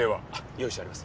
用意してあります。